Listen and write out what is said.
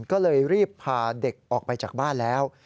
ก็เลยรีบพาเด็กออกไปจากบ้านแล้ว